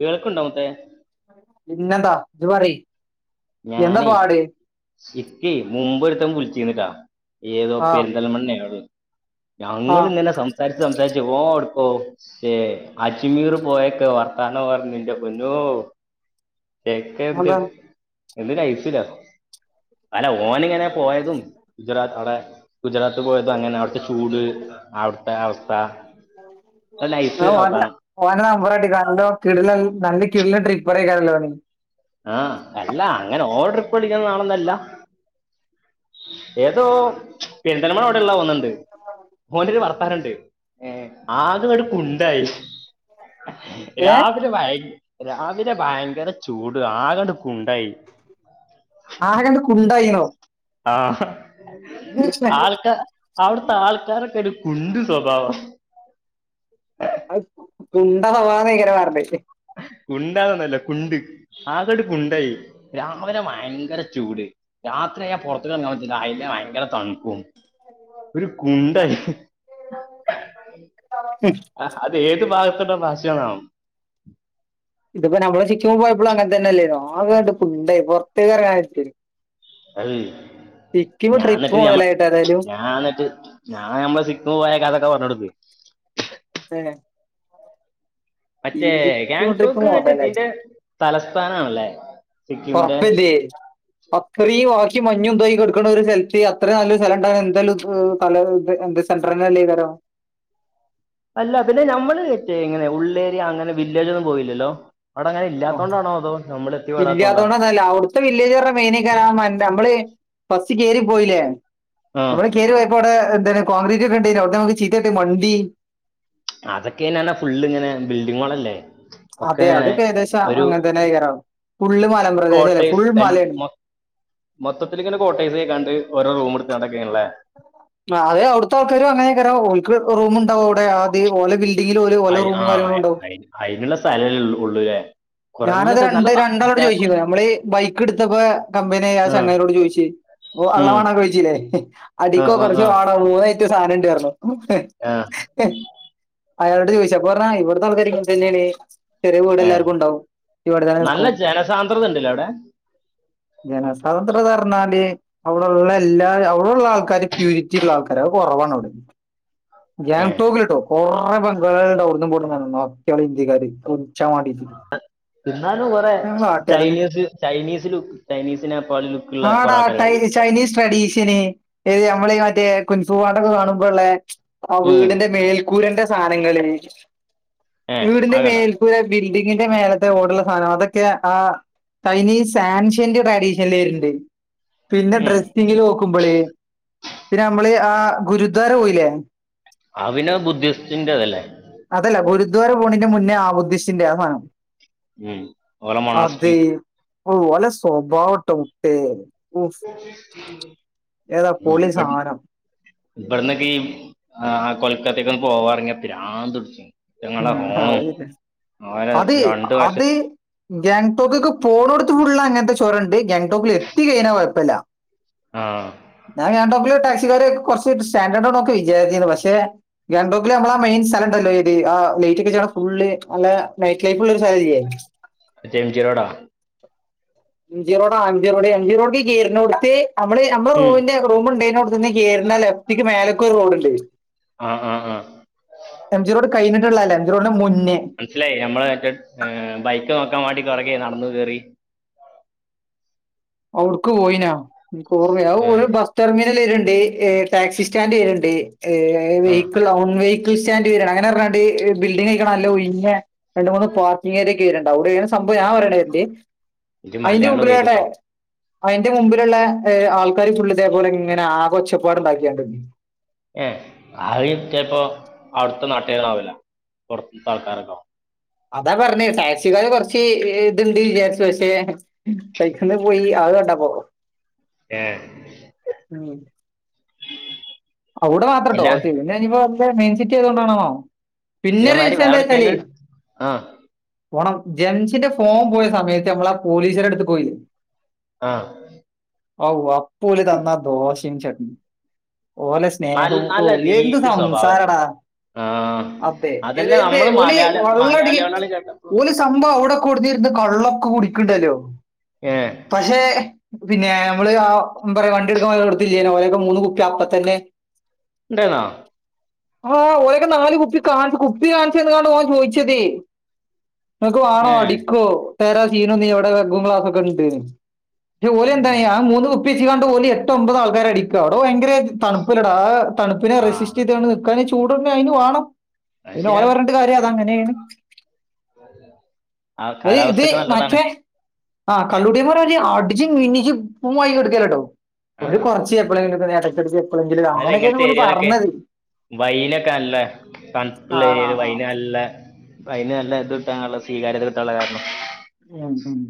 കേൾക്കുണ്ടോ മുത്തേ പിന്നെന്താ ഇത് പറയി ഞാനേ ഇക്കേ മുമ്പ് ഒരുത്തൻ വിളിച്ചിന്നിട്ടാ ഏതോ ആഹ് പെരിന്തൽമണ്ണ് ഒള ഞങ്ങൾ ആഹ് ഇങ്ങനെ സംസാരിച്ച് സംസാരിച്ച് ഒരു പാട് ഓ ക്കേ അജ്മീർ പോയൊക്കെ വർത്താനം പറഞ്ഞിട്ട് എന്റെ പോന്നോ എന്താ [unintelligible] എന്ത് ലൈഫിലാ അല്ല ഓനിങ്ങനെ പോയതും ഗുജറാത്ത് അവിടെ ഗുജറാത്ത് പോയത് അങ്ങനെ അവിടുത്തെ ചൂട് അവിടുത്തെ അവസ്ഥ നല്ല നൈസ് ആ വർത്താനം ഓന നമ്പരാട്ട കോ കിടുലൻ നല്ല കിടിലൻ ട്രിപ്പ് പറ കേ ലേണിങ്ങ് ആ അല്ല അങ്ങനെ ഓവർ ട്രിപ്പ് അടിക്കുന്ന ആളല്ല ഏതോ പെരുന്തൽമണ്ണ് ഓട്ടം എല്ലാം പോകുന്നുണ്ട് മോന് ഒരു വർത്താനുണ്ട് ഏ ആകെ ഒരു കുണ്ടായി ഏഹ് രാവിലെ ഭയ രാവിലെ ഭയങ്കര ചൂട് ആകെണ്ട് കുണ്ടായി ആകെണ്ട് കുണ്ടായിന്നോ ആ ആൾക്ക അവിടുത്തെ ആൾക്കാരൊരു കുണ്ട് സ്വഭാവം അത് കുണ്ട് ആവാതെ ഇങ്ങനെ പറഞ്ഞെ കുണ്ടാന്നൊന്നല്ല കുണ്ട് ആകെയത് കുണ്ടായി രാവിലെ ഭയങ്കര ചൂട് രാത്രിയായ പുറത്ത് ഇറങ്ങാൻ പറ്റത്തില്ല അതിലെ ഭയങ്കര തണ്ണു ഒരു കുണ്ടായി ആ അത് ഏത് ഭാഗത്തെടെ ഭാഷ ആണവോ ഇതിപ്പോ നമ്മള് സിക്കിം പോയപ്പളും അങ്ങനെ തന്നെ അല്ലേന്നോ കുണ്ടേ പെറത്ത് എറങ്ങാൻ അൽ സിക്കിം ഞാൻ ട്രിപ്പ് എന്നിട്ട് മൊതലായിട്ട് ഏതായാലും ഞാൻ എന്നിട്ട് ഞാൻ നമ്മള് സിക്കിം പോയ കഥയൊക്കെ പറഞ്ഞു കൊടുത്തു [unintelligible] പിനെ മറ്റേ ട്രിപ്പ് ഗാങ്ടോക്ക്മറ്റേ മൊതലായി തിന്റെ തലസ്ഥാനാണല്ലേ സിക്കിമിന്റെ ഉറപ്പതേ അത്രയും എനി മഞ്ഞും തോക്കി കൊടുക്കുന്ന ഒരു സ്തലത്ത് അത്ര നല്ല സ്ഥലുണ്ട എന്താലും പല എന്ത് സെൻററിിനല്ലേതരോ അല്ല പിന്നെ ഞമ്മള്റ്റേ ഇങ്ങനെ ഉള്ളേരിയ അങ്ങനെ വില്ലേജ് ഒന്നും പോയില്ലല്ലോ ഇല്ലാത്തൊണ്ടാണൊ അതോ നമ്മൾ എത്തിപ്പെടാത്തോണ്ടാ ഇല്ലാതൊണ്ട്ന്നല്ല അവിടുത്തെ വില്ലേജ് പറഞ്ഞ മെയിനക്കാരം നമ്മള് ഫസ് കയറി പോയില്ലേ ആ നമ്മള് കേറി പോയപ്പോ അവിടെന്താണ് കോൺക്രീറ്റ് ഒക്കെ ഉണ്ട അവിടെ നമക്ക് ചീത്തട്ടി മണ്ടി അതൊക്കെന്നന്ന ഫുള്ള്ങ്ങനാ ബിൽഡിങ്ങൊളല്ലേ അതെ അത് ഏകദേശം അങ്ങനത്തെന്നെ ക്കാരം കോട്ടയ്സ് മൊത്തത്തില ഇങ്ങനെ കോട്ടൈസക്കാണ്ട് ഓരോ റൂം എടുത്ത് ഇള്ളേ അതെ അവിടുത്തെ ആൾക്കാരും അങ്ങനെക്കാരം ഓൽക്ക് റൂം ഉണ്ടാവും അവിടെ ആദ്യ ഓല ബിൽ അ ആ അഅയി ആയി അയിന്ള്ള സ്ഥേലേ ഒള്ളൂ ഫുള്ള്ലേ ഞാൻ അത് രണ്ട് രണ്ട് ആളോട് ചോദിക്കും ഇത് പോലെ നമ്മള് ബൈക്ക് എടുത്തെപ്പം കമ്പിനി അത് ആ, ചങ്ങാതിയോട് ചോദിച്ച് ഓ വള്ള ഉം, വണക്കെ ചൊയിച്ചിലേ ആ, അടിക്കോ ആ, ആ, കൊറച്ചോ വാടോ മൂവ ഏറ്റ സാനം ഇണ്ടാർന്നു ആ, അയാളുടെ ചോദിച്ചപ്പാ പറഞ്ഞാ ഇവിടുത്തെ ആൾക്കാ തന്നെയാണ് ചെറിയ വീട് ഏ. എല്ലാവർക്കുംണ്ടാവും നല്ല ജനസാന്ദ്രത ഇണ്ട്ല്ലവിടെ ജനസ്വാതന്ത്ര്യം ഞ്ഞാല് അവിടൊള്ള എല്ലാ അവിടൊള്ള ആൾക്കാാര് പ്യൂരിറ്റി ഉള്ള ആൾക്കാര കുറവാണവിടെ ഏ ങ് തോക്കിലിട്ടോ [unintelligible] കുറേ ബംഗാളുടെവിർന്നും പോ ഇന്ത്യക്കാര്ർണ്ട തെളിച്ചാൻ വേണ്ടീട്ട് ആഹ്തന്നെ തിന്നാലും കുറെ ആട്ടിയാ തന്നെ ചൈനീസ് ചൈനീസ് ലുക്ക് ചൈനീസിനെപോലെ ലൂക്ക്ള്ള കൊറ ആടാ ആൾക്കാരെ ടൈ കണ്ടീട്ട് ചൈനീസ് ട്രഡീഷന് നമ്മള് മ റ്റ മ കുൽസുപാടൊക്കെ കാണുമ്പോള്ളെ ആ ഉം വീടിന്റെ മേൽക്കൂരന്റെ സാനങ്ങള് ഏ ആ വീടിന്റെ കണ്ട മേൽക്കൂര ബിൽഡിങ്ങിന്റെ മേല ഓടുള്ള സാധനം അതൊക്കെ ആ ചൈനീസ് സാൻഷന്റ് ട്രാഡീഷൻൽ വരണ്ട് പിന്നെ ഉം ഡ്രസ്സിങ്ങില് നോക്കുമ്പള് പിന്നെ നമ്മള് ആ ഗുരുദ്വാര പോയില്ലേ അപിന്നെ ബുദ്ധിസ്റ്റിന്റെ അതല്ലേ അതല്ല ഗുരുദ്വാര പോണിന്റെ മുന്നേ ആ ബുദ്ധിഷ്റ്റിന്റെ ആ സനം ഉം ഓരമോണാസ്കി ഓ വല സ്വഭാവട്ടോ മുത്തേ ഏതാ ഉം പൊളി ബട്ട് സാനം ഇവിടന്നൊക്കെ ഈ ആ ആ കൊൽക്കത്തേക്ക ഒന്ന് പോവാറങ്ങാ പിരാന്ത് തുടിച്ചും ഉ ആട്ട അതെ രണ്ട് വശ അത് ഗാംഗ്ടോക്ക്ക്ക് പോണ എടുത്ത് ഫുടു ഗാങ്ടോക്ക്ക്ക് പോണൊട്ത്ത് ഫുള്ള് അങ്ങനത്തെ ചോരണ്ട് ഗാംങ്ടോക്കിൽ എത്തി കഴിഞ്ഞാൽ കൊഴപ്പല്ല്യ ആ ഞാൻ [unintelligible] തുവരെ കൊറച്ച് സ്റ്റാഡേർ്ന്നൊക്കെ വിചാരിച്ചിനി പക്ഷെ ഗാങ്ടോക്കിൽ നമ്മള മെയിൻ സ്ഥലംണ്ടല്ലോ ഏത് ആ ലേറ്റ് ഒക്കെച്ചക്കണ ഫുള്ള് ഒള്ള നൈറ്റ് ലൈഫുള്ള ഒരു സലല്ല്യേ യേംജി രോടാ എംഞ്ചിറോഡ എംഞ്ചിറോഡ എംഞ്ചിറോഡ് ഈ കേർ നോടുത്ത് നമ്മള് നമ്മട ഉം റമിന്റെ റൂുണ്ടേതിനോടെത്തന്നന്ന് കേറുന്ന ലെഫ്റ്റക്ക് മേലക്കൂർ റോഡ്ുണ്ട് ആഹ് ആഹ് ആഹ് എഞ്ചി റോഡ്ന്റെ മുന്നേ മനസ്സിലായി മ്മള് മറ്റ ബൈക്ക് നോക്കാൻ വേണ്ടി കുറകേ നടന്ന കേറി അവടുക്ക് പോയിനാ എനിക്ക് ഓർമല്യ ആ ഒരു ബസ് ടെർമിനൽണ്ട് ഈ എ ടാക്സി സ്റ്റാൻഡ് വരെയുണ്ട് ആ വെഹിക്കിൽ വെഹിക്കിൾ സ്റ്റാൻഡ് വരെ അങ്ങനെ റാടി ബിൽഡിംഗ് നല്ല ഒഴിഞ്ഞ് രണ്ട്. മൂന്ന് പാർക്കിംങ്ങ് ഏരിയോക്കെ ഇതിലിണ്ട് [unintelligible] സംഭവ [unintelligible] ഇജ്ജ് അയിന്റെ മലയാളം മുമ്പിലേട്ടെ ഉപയോഗിക്കൂട്ടോ അയിന്റെ മുമ്പിലുള്ള ആൾക്കാർ ചുള്ള് ഇതേപോലെ ഇങ്ങനെ ആകെ ഒച്ചപ്പാട് ഉണ്ടാക്കിയാണ്ട് ഏ അയി എത്തിയപ്പോ അവിടെത്തെ നാട്ടുകാര് ആവുല പൊറത്തെത്തെ ആൾക്കാര് ഒണ്ടാവും അതാ പർണി ടാക്സികാര് കൊറച്ചീ ഇണ്ട് വിചാരിച്ചു വച്ചേ കഴിക്കുന്ന കോഴി അള് കണ്ടാ പോ ഏ ഉം അവുടെ മാത്രം ഇട്ടോ ഇല്ല പിന്നെ ഇനിയിപ്പൊ മെയിൻ സിറ്റി അയതു കൊണ്ടാണോ ആണോ പിന്നെ ഇതേമാതിരി വേറെ റീസെെയിൻ [unintelligible] എവിടക്കേലും ആ പേണം, ജെൻസിന്റെ ഫോം പോയ സമയത്ത് നമ്മള ആ പോലീസ്കര് അടുത്ത് പോയില്ലേ ആ ഔ അപ്പൊലി തന്നാ ആ ദോശയും ചട്നിം ഓലെ നല്ല സ്നേഹവും ഓ നല്ല എന്ത് നീറ്റ് സ്വഭാവല്ലേ സംസാരെടാ ആ അതെ. അതന്നെ ഇത് നമ്മള് ഒലി മലയാള വള്ളടരികെ മലയാളികളാണ് കേട്ടപ്പോ ഒരു സംഭവം അവിടെ കൊടുന്നിര് ഇത് കള്ള് കുടിക്കേണ്ടല്ലോ. ഏ പഷേ പിന്നെ മമ്മള് ആബറ് വണ്ടി എടുക്കാൻ പോയോട്ത്തില്ലെനോ. ഓരൊക്കെ മൂന്ന് കുപ്പി അപ്പ തന്നെ ഇണ്ടയിന്നോ ആഹ് ആ ഓരൊക്കെ നാല് കുപ്പി കാണ് കുപ്പി കാണിച്ചന്നണ്ട. ഓൻ ചോയിച്ചതെ ഇങ്ങക്ക് വേണോ ഏ അടിക്കോ തേരാ സീനൊന്നെ എവിടെ വെഗും ക്ലാസൊക്കെ ഇണ്ടേനു ഏ ഓലെന്താണയ്യാ ആ മൂന്ന് കുപ്പിചി കാണ്ട് ഓല് എട്ടോ, ഒമ്പതോ. ആൾക്കാരെ അടിക്കാ അടോ ഭയങ്കര തണുപ്പല്ലടാആ ആ തണുപ്പിനെ ആ റെസിസ്റ്റ്യെത് [unintelligible] നിർക്കാന് ചൂട്ന്നെ അയിന് വാണം. അത് പിന്നെ ഓല ശരിയാ [unintelligible] കാര്യഅതാണ് [unintelligible] ആ ഒരു ഇത് കാലാവസ്ഥൊക്കെ നല്ലതാണ് മാറ്റേ ആ കള്ളുടിയമാരര് അടിച്ച് മിന്നിച്ച് കുമ്മായി എടുക്കലട്ടോ ഒരു കൊറച്ച് എപ്പളെങ്ങിലൊക്കെ [unintelligible] എന്നല് എങ്ങനത്തെ ഏരിയാലൊക്കെ വൈനൊക്കെ അല്ലെ ആ തണ്പുള്ള ആ ഏരിയില് ആ വൈൻ നല്ല വൈന് നല്ല ഇത് ഇട്ടാനുള്ള സ്വീകാര്യത കിട്ടാനുള്ള കാരണം. ഉം, ഉം.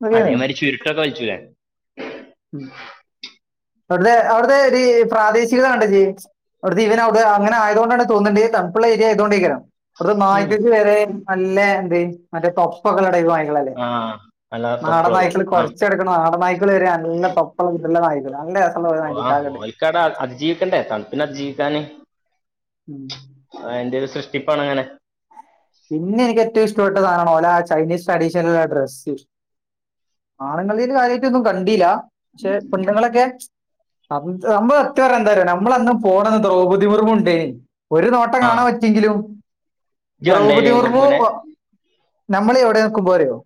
അതൊക്കെയാണ് അതേമാതിരി ചുരുട്ടൊക്കെ വ ഇല്ലേ ഉം. അവിത്തെ അവിടത്തെ പ്രാദേശിക [unintelligible] [unintelligible] അങ്ങെനെ ആയതൊണ്ടണ് തോന്നണ്ടത് തണുപ്പുള്ള ഏരിയ [unintelligible] ഇവിടത്തെ ഉം നായക്ക്‌ വരെ നല്ല എന്ത് മറ്റേ [unintelligible] ളല്ലേ. ആ നല്ല തൊപ്പളറും നാടൻനായ്ക്കൾ ആ കൊരച്ടുക്കുന്ന നാടൻ നായിക്കൾ നല്ല തൊപ്പളം ഇട്ടുള്ള നായിക്കൾ [unintelligible] ഒ ആ ഓൽകത അ അതിജീവിക്കണ്ടേ തണുപ്പിന് അതിജീവിക്കാന് ഉം [unintelligible] അങ്ങനെ പിന്നെ [unintelligible] ചൈനീസ് ട്രഡീഷണിലുള്ള ഡ്രസ്സ് ആണുങ്ങളീല് കാര്യയിട്ടൊന്നും കണ്ടീല പഷേ പെണ്ണുങ്ങളൊക്കെ [unintelligible] എന്തായാലും നമ്മൾന്നും പോണന്ന് ദ്രൗപദി മുർമുണ്ടേ ഒരു നോട്ടം ആ കാണാൻ പറ്റിയെങ്കിലും ഇജ്ജ് ദ്രൗപതി കണ്ടേന് മുർമു മുർമുനെ ഒ നമ്മളി എവിടെ നിക്കുമ്പോരിയോ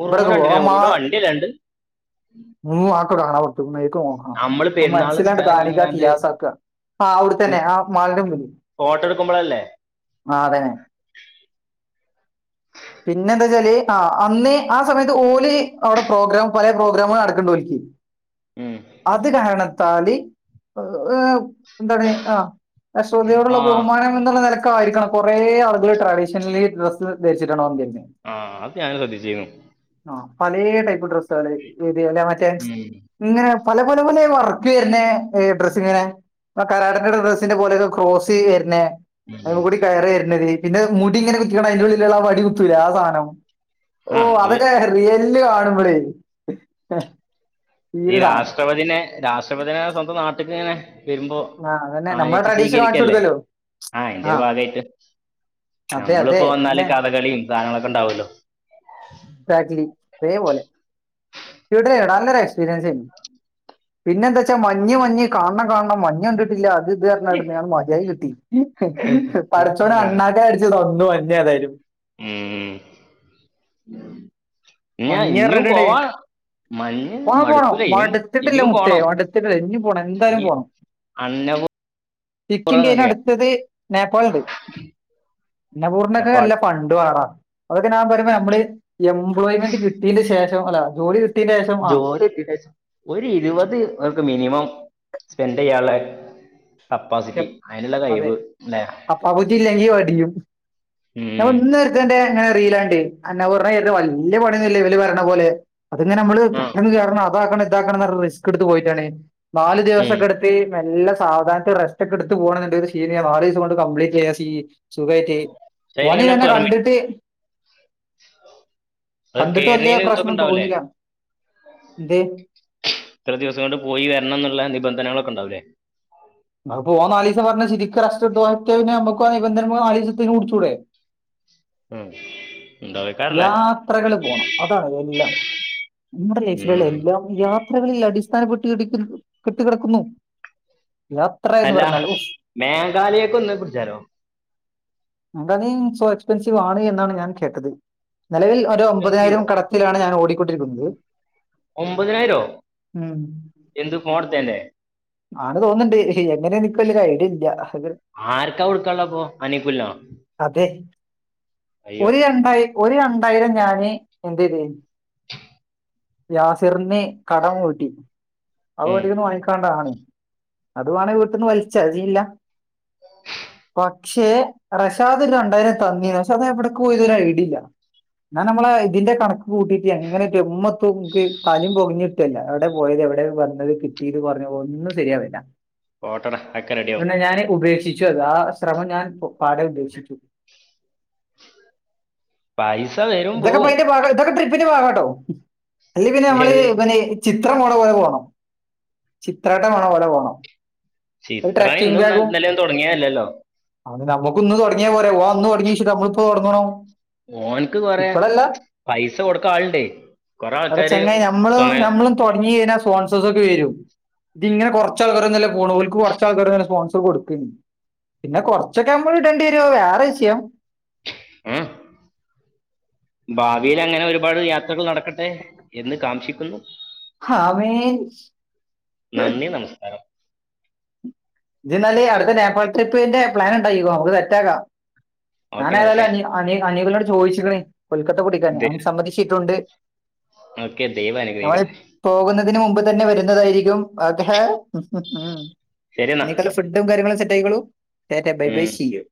മുറുമുന കണ്ടില്ല മുറുമുന്റെ വണ്ടി അല്ലാണ്ട് നമ്മള് പെരുന്നാൾ നിസ്കാരം കഴിഞ്ഞാണ്ട് [unintelligible] [unintelligible] ആ അവിടെത്തന്നെ ആ മാൾന്റെ മുമ്പിൽ ഫോട്ടോ എടുക്കുമ്പോഴല്ലേ ആതന്നെ പിന്നെ എന്താച്ചാല് ആ അന്ന് ആ സമയത്ത് ഓല് അവിടെ പ്രോഗ്രാം പല പ്രോഗ്രാമുകൾ നടക്കുണ്ടോൽകി ഉം അത് കാരണത്താല് എന്താണ് ആ രാഷ്ട്രപഥിയോടുള്ള ആ ബഹുമാനം എന്നുള്ള നിലക്ക ആയിരിക്കണം കൊറേ ആളുകള് ട്രഡീഷണലി ഡ്രസ്സ് ധരി [unintelligible] ആ അത് ഞാന് ശ്രദ്ധിച്ച്യുന്നു പഴയ ടൈപ്പ് ഡ്രസ്സ് ആണ് ഏതി അല്ലെ മറ്റേ ഉം, ഇങ്ങനെ പലപലെപലെ വർക്ക് വരുന്നെ ഡ്രസ്സിങ്ങിനെ ആ കരാടന്റെയുടെ ഡ്രസ്സിന്റെ പോലെയൊക്കെ ക്രോസ് വരുന്ന [unintelligible] ഉം. കൂടി കയറി വരുന്നേ പിന്നെ മുടി ഇങ്ങനെ കുത്തിക്കണം അതിന്റെ ഉള്ളിലുള്ളള്ള വടി കുത്തൂല്ലേ ആ സാധനം ആ ഓ അത് അതൊക്കെ റിയല്ല് കാണുമ്പളെ ഈ രാഷ്ട്രപതിനെ രാഷ്ട്രപതി സ്വന്തം നാട്ട്ക്ക് ഇങ്ങനെ വരുമ്പോ ആ അതന്നെ നമ്മളെ ആനയിച് ട്രഡീഷൻ കാണിച്ചു സ്വീകരിക്കല്ലേ കൊടുക്കല്ലോ ആ അ ന്റെ ഒരു ഭാഗമായിട്ട് അതെ അതെ നമ്മളിപ്പോ വന്നാല് അതന്നെ കഥകളിയും സാധനങ്ങളൊക്കെണ്ടാവൂലോ [unintelligible] എക്സ്പീരിയൻസ് ആർന്നു പിന്നെ എന്താച്ചാ മഞ്ഞ് മഞ്ഞ് കാണണം കാണണം മഞ്ഞ കണ്ടിട്ടില്ല അത് [unintelligible] ഞാണ് മതിയി കിട്ടി പഠിച്ചവനെ അണ്ണാക്കെ അടിച്ചത് [unintelligible] മ് മഞ്ഞ് പറഞ്ഞിട്ടേ ഇഞ്ഞിപോവാ മഞ്ഞ് പോണം പോണം മടുക്കൂല ഇനീ മടുത്തിട്ടില്ല ഇനിയും മുട്ടേ പോണം മടുത്തിട്ടില്ല ഇനി പോണം ഇ [unintelligible] ചിക്കി കയിന അടുത്തത് നേപ്പാൾണ്ട് അന്നപൂർണക്കെ എപ്പാട് നല്ല പണ്ട് പാടാം അതൊക്കെ ഞാൻ പറയ്പോ നമ്മള് [unintelligible] എംപ്ലോയ്മെന്റ് കിട്ടിയെന് ശേഷം അല്ല [unintelligible] ആ ജോലി ഒരു ഇരുപത് അവക്ക് മിനിമം സ്പെൻഡ് ‌ചെയ്യാളേ [unintelligible] [unintelligible] [unintelligible] ഉം വല്യ പണിയൊന്നുല്ല്യ ഇവല് വരണ പോലെ അതങ്ങനെമ്മള് ആഹ് പെട്ടെന്ന് കേറണം അതാക്കണം ഇതാക്കണംന്നറഞ് റിസ്കെടുത്ത് പോയിട്ടാണ് നാല് ഉം ദിവസക്കെടുത്ത് മെല്ല സാവധാനത [unintelligible] [unintelligible] സുഖയിട്ട് പക്ഷെ അതിനിങ്ങനെ ഓനിതന്നെ പെർമിറ്റ് കണ്ടിട്ട് അത് കണ്ടിട്ട് വലിയ കേരണീനത്തൊക്കെ പ്രശ്നം ഇണ്ടാവല്ലേ തോന്നിയില്ല എന്തേ ഇത്ര ദിവസം കൊണ്ട് പോയി വരണം എന്നുള്ള നിബന്ധനകളൊക്കെണ്ടാവലേ അ പോവ നാലീസം പറഞ്ഞ ശിരിക്ക്റസ്റ്റടുത്ത് പോയ്കയിഞ മുക്ക് ആ നിബന്ധന [unintelligible] മ് യാത്രകള് പോണം അതാണ് എല്ലാം മ്മടെ ഉം [unintelligible] എല്ലാംയാ ത്രകളിൽ അടിസ്ഥാനപ്പെട്ടകടി കെട്ട് കെടക്കുന്നു അല്ല മേഘാലയൊക്കൊന്ന് കുടിച്ചാലോ [unintelligible] സോ എക്സ്പെൻസീവ് ആണ് എന്നാണ് ഞാൻ കേട്ടത് നെലവിൽ ഒരു ഒമ്പതിനായിരം എക്സ്പെൻസീവോ കടത്തിലാണ് ഞാൻ ഓടിക്കൊണ്ടിരിക്കുന്നത് ഒമ്പതിനായിരോ ഉം എന്ത് ഫോട്ത്തേന്റെ ആണ് തോന്നിണ്ട് എങ്ങനെ എനിക്ക [unintelligible] ഐഡിയ അത് ആർക്കാ ഉടുക്കാള്ളപ്പോ അനിംകുൽനൊ ഒര് രണ്ടായി ഒരു രണ്ടായിരം ഞാന് എന്റെത് യാസിറിന് കടം കൂട്ടി അത് ഉം [unintelligible] വാങ്ങിക്കാണ്ടതാണ് അത് വേണെ വീട്ടിന്ന് വലിച്ചാതീല്ല പക്ഷെ റഷാദ് ഒരണ്ടായിരം തന്നി ഷതെവിടക്ക് പോയതൊരൈഡിയേല്ല [unintelligible] ഞാനമ്മളെ ഇതിന്റെ കണക്ക് കൂട്ടീട്ട് എങ്ങന ജമ്മത്ത്ക്ക് തലും പൊങ്ങഞ്ഞിട്ടല്ല എവിടെ പോയത് എവിടെ വന്നത് കിട്ടീത് പറഞ്ഞ ഒന്നും ശെരിയാവില്ല പോട്ടട ആക്കെ റെഡിയാവും ച്ചെതാ ശ്രമം ഞാൻ പാടെ ഉബേഷിച്ചു പൈസ വരും ഇതൊക്ക [unintelligible] പോവും [unintelligible] ട്ടോ അലെ പിന്നെ നമ്മള് ഏത് പിന്നെ ചി ചിത്ര പോണ പോലെ പോണം ചിത്രേട്ട വേണ പോലെ പോണം ഒരു ചിത്ര ട്രക്കിംഗ് ഇന്നുംനാ ഇന്നലെം തൊടങ്ങിയല്ലല്ലോ നമുക്ക് ഇന്ന് തുടങ്ങിയാപോരെ ഓ അന്ന് തൊടങ്ങിഷിട്ട് അമ്മളിപ്പോ ഒടങ്ങണോ ഓൻക്ക് കൊറേ പൈസ കൊടുക്കാളിണ്ടേ എടാചെങ്ങായി നമ്മള് നമ്മള് തൊടങ്ങിതിന [unintelligible] [unintelligible] ദിങ്ങനെ കൊറച്ചാൾക്കാരന്നല്ലേ പോണ് ഓൽക്ക് കുറച്ചാൾക്കാരന്നെ സ്പോൺസർ കൊട്ക്ക്ന്ന് പിന്നെ കൊറച്ചൊക്കെ അമ്മള്ടണ്ടിവരോത് വേറെ വിഷ്യം ആ ഭാവീലങ്ങനെ ഒരുപാട് യാത്രകൾ നടക്കട്ടെ എന്ന് കാംക്ഷിക്കുന്നു ഹാവേ നന്ദി നമസ്--രം ഇജ്ജ്ന്നാല് അടുത്ത നേപ്പാൾ ട്രിപ്പിന്റെ പ്ലാൻ ഇണ്ടാക്കിക്കോ നമുക്ക് സെറ്റാക്കാം ഓക്കെ ഞാനേതാലും ഓക്കെ അനി അനി അനികിനോട് ചോയ്ച്ചിക്കിണ് കൊൽക്കത്ത പിടിക്കാന് അവൻ സമ്മതിച്ചിട്ടൊണ്ട് ഓക്കെ ദൈവനിഗ്രഹിക്കട്ടെ ന് മുമ്പ്തന്നെ വരുന്നതായിരിക്കു ഓകെ ശരി എന്നാ [unintelligible] റ്റയ്ക്കോളൂ. റ്റാറ്റ ബൈബ ഉം സീയു